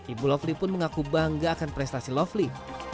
ibu lovely pun mengaku bangga akan prestasi lovely